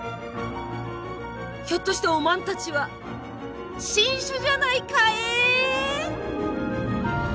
ひょっとしておまんたちは新種じゃないかえ？